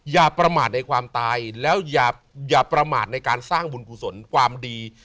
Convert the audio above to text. อย่าประมาทในความตายแล้วอย่าประมาทในการสร้างบุญกุศลความดี